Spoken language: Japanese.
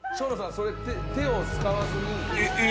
それ手を使わずに。